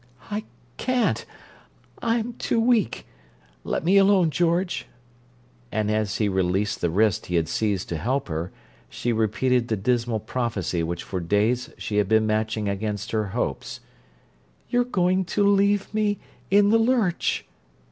"I can't. I'm too weak. Let me alone, George!" And as he released the wrist he had seized to help her, she repeated the dismal prophecy which for days she had been matching against her hopes: "You're going to leave me—in the lurch!"